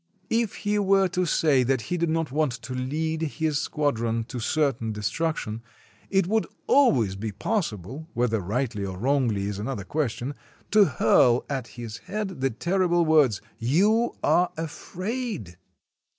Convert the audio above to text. If he were to say that he did not want to lead his squadron to certain de struction, it would always be possible (whether rightly or wrongly is another question) to hurl at his head the terrible words: "You are afraid!"